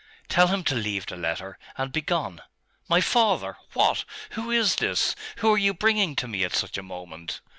'Tell him to leave the letter, and begone.... My father? What? Who is this? Who are you bringing to me at such a moment?